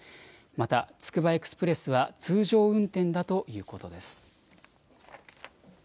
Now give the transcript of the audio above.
また、つくばエクスプレスは通常運転だということです。